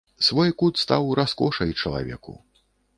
Свой кут стаў раскошай чалавеку.